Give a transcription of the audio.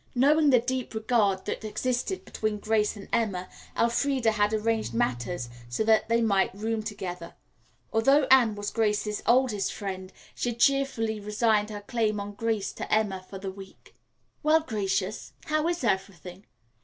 Knowing the deep regard that existed between Grace and Emma, Elfreda had arranged matters so that they might room together. Although Anne was Grace's oldest friend, she had cheerfully resigned her claim on Grace to Emma for the week. "Well, Gracious, how is everything?"